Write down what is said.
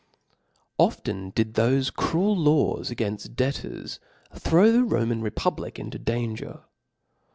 Often did thoie cruel laws againft debtors throw the Roma(n republic into danger.